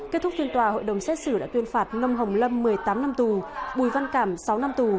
kết thúc tuyên tòa hội đồng xét xử đã tuyên phạt nông hồng lâm một mươi tám năm tù